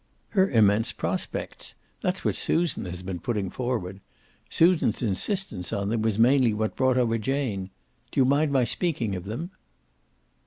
"Her immense prospects, that's what Susan has been putting forward. Susan's insistence on them was mainly what brought over Jane. Do you mind my speaking of them?"